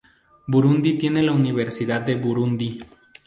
Burundi tiene la Universidad de Burundi.